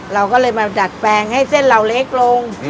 เราก็เลยมาดัดแปลงให้เส้นเราเล็กลง